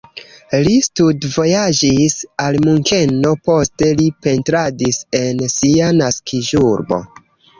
Li studvojaĝis al Munkeno, poste li pentradis en sia naskiĝurbo.